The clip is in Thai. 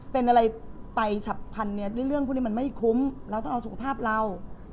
เป็นอะไรไปฉับพันธุ์เรื่องพวกนี้มันไม่คุ้มแล้วต้องเอาสุขภาพเรา